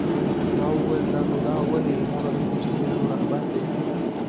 ما وویل: نو دا ولې؟ هغه د فلسطینیانو رهبر دی؟